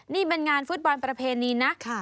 นี่เป็นงานฟุตบอลประเพณีนะ